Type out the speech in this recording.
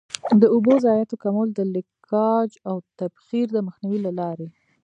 د اوبو ضایعاتو کمول د لیکج او تبخیر د مخنیوي له لارې.